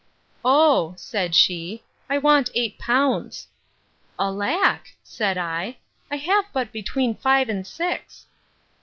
Oh! said she, I want eight pounds. Alack! said I, I have but between five and six.